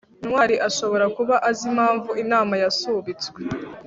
ntwali ashobora kuba azi impamvu inama yasubitswe